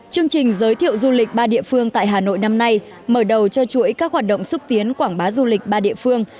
chương trình giới thiệu du lịch ba địa phương tại hà nội năm nay mở đầu cho chuỗi các hoạt động xúc tiến quảng bá du lịch ba địa phương